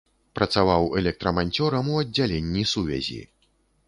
Працаваў электраманцёрам у аддзяленні сувязі.